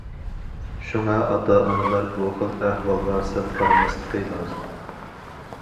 شۇڭا ئاتا- ئانىلار بۇ خىل ئەھۋالغا سەل قارىماسلىقى لازىم.